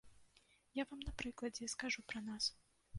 Я вам на прыкладзе скажу пра нас.